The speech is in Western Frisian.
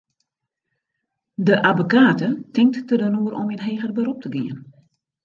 De abbekate tinkt der dan oer om yn heger berop te gean.